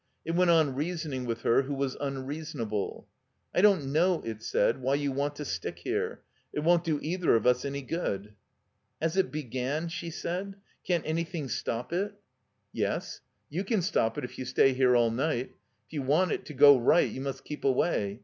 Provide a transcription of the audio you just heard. It went on reasoning with her who was unreasonable. "I don't know," it said, "why you want to stick here. It won't &o either of us any good." '' Has it began ?" she said. *' Can't ansrthing stop it ?" 384 THE COMBINED MAZE "Yes. You can stop it if you stay here all night. If you want it to go right you must keep away.